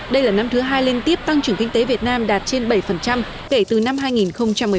đây là năm thứ hai liên tiếp tăng trưởng kinh tế việt nam đạt trên bảy kể từ năm hai nghìn một mươi tám